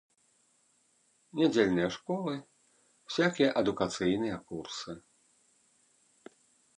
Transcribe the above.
Нядзельныя школы, усякія адукацыйныя курсы.